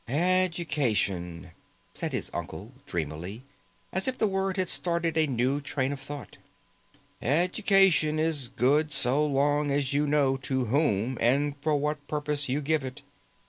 "Education," said his uncle dreamily, as if the word had started a new train of thought, "education is good so long as you know to whom and for what purpose you give it.